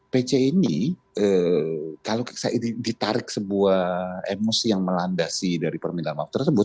pc ini kalau ditarik sebuah emosi yang melandasi dari permintaan maaf tersebut